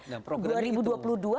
nah programnya itu